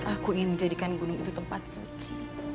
aku ingin menjadikan gunung itu tempat suci